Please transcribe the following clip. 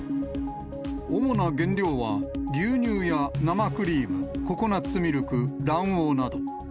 主な原料は、牛乳や生クリーム、ココナッツミルク、卵黄など。